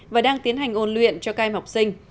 và đang tiến hành ôn luyện cho cai học sinh